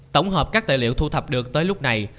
tổng hợp các tài liệu thu thập được tới lúc này